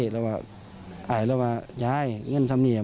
แล้วว่าอ่ายแล้วว่าย้ายเงินสำเนียม